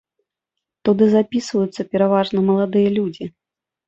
Туды запісваюцца пераважна маладыя людзі.